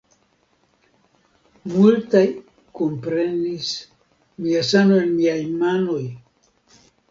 Multaj komprenis mia sano en miaj manoj!